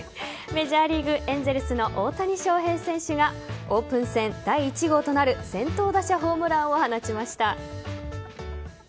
メジャーリーグエンゼルスの大谷翔平選手がオープン戦第１号となる先頭打者ホームランを放ちました。